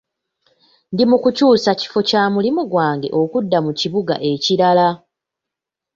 Ndi mu kukyusa kifo kya mulimu gwange okudda mu kibuga ekirala.